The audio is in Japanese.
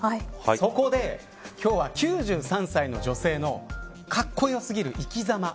そこで今日は、９３歳の女性のかっこよすぎる生きざま